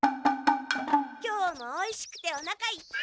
今日もおいしくておなかいっぱい！